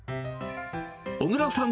小倉さん